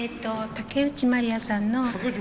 竹内まりやさん？